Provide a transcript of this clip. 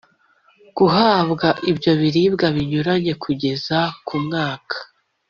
guhabwa ibyo biribwa binyuranye kugeza ku mwaka